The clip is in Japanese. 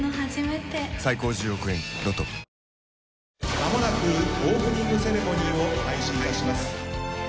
間もなくオープニングセレモニーを開始いたします。